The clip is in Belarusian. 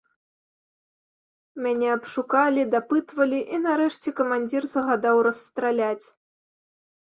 Мяне абшукалі, дапытвалі, і нарэшце камандзір загадаў расстраляць.